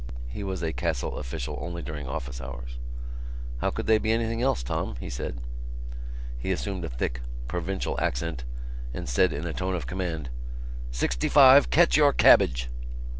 He was a Castle official only during office hours. "How could they be anything else, Tom?" he said. He assumed a thick provincial accent and said in a tone of command: "65, catch your cabbage!"